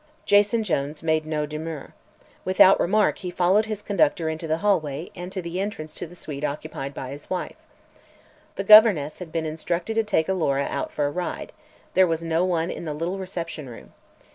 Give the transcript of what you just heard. Jason Jones made no demur. Without remark he followed his conductor into the hallway and to the entrance to the suite occupied by his wife. The governess had been instructed to take Alora out for a ride; there was no one in the little reception room.